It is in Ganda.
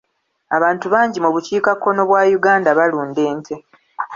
Abantu bangi mu bukiikakkono bwa Uganda balunda ente.